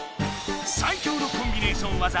さい強のコンビネーションわざ